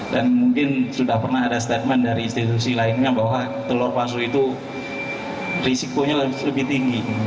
dan mungkin sudah pernah ada statement dari institusi lainnya bahwa telur palsu itu risikonya lebih tinggi